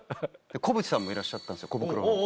小渕さんもいらっしゃったんですコブクロの。